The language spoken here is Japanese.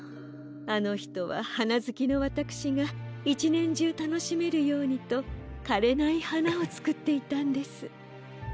あのひとははなずきのわたくしが１ねんじゅうたのしめるようにとかれないはなをつくっていたんです。